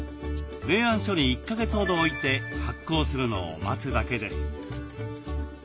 冷暗所に１か月ほど置いて発酵するのを待つだけです。